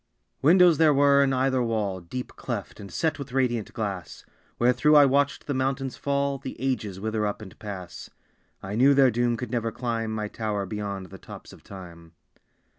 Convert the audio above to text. Windows there were in either wall, Deep cleft, and set with radiant glass, Wherethrough I watched the mountains fall, The ages wither up and pass. I knew their doom could never climb My tower beyond the tops of Time.